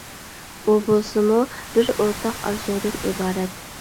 ئۇ بولسىمۇ بىر ئورتاق ئارزۇدىن ئىبارەت.